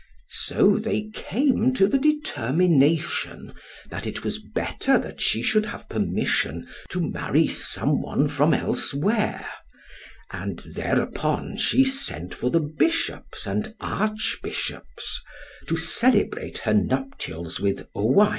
So they came to the determination, that it was better that she should have permission to marry some one from elsewhere; and thereupon she sent for the Bishops and Archbishops, to celebrate her nuptials with Owain.